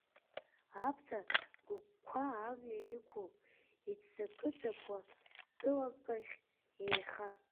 Аԥҭа гәыкқәа, амҩа иқәу иццакы-ццакуа, тәылакахь иеиха!